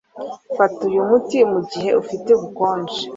Fata uyu muti mugihe ufite ubukonje.